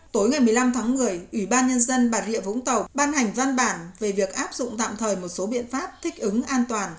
tối ngày một mươi năm tháng một mươi ủy ban nhân dân bà rịa vũng tàu ban hành văn bản về việc áp dụng tạm thời một số biện pháp thích ứng an toàn